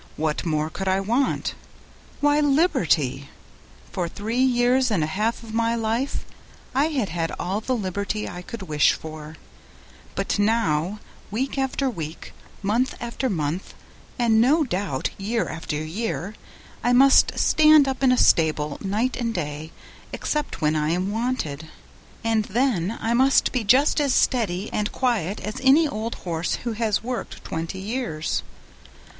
What more could I want? Why, liberty! For three years and a half of my life I had had all the liberty I could wish for; but now, week after week, month after month, and no doubt year after year, I must stand up in a stable night and day except when I am wanted, and then I must be just as steady and quiet as any old horse who has worked twenty years.